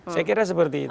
saya kira seperti itu